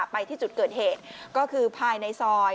ไปที่จุดเกิดเหตุก็คือภายในซอย